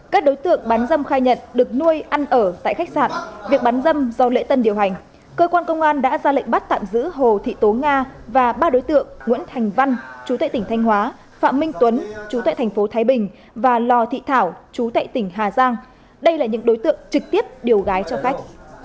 các đối tượng bán dâm khai nhận được nuôi ăn ở tại khách sạn việc bán dâm do lễ tân điều hành cơ quan công an đã ra lệnh bắt tạm giữ hồ thị tố nga và ba đối tượng nguyễn thành văn chú tệ tỉnh thanh hóa phạm minh tuấn chú tại thành phố thái bình và lò thị thảo chú tại tỉnh hà giang đây là những đối tượng trực tiếp điều gái cho khách